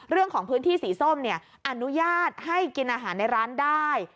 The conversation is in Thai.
เรื่องของพื้นที่สีส้มอนุญาตให้กินอาหารในร้านได้